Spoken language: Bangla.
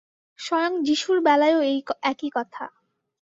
স্বয়ং যীশুর বেলায়ও এই একই কথা।